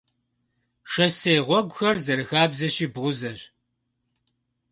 Шоссе гъуэгухэр, зэрыхабзэщи, бгъузэщ.